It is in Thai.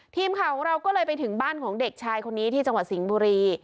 ทีมข่าวของเราก็เลยไปถึงบ้านของเด็กชายคนนี้ที่จังหวัดสิงห์บุรี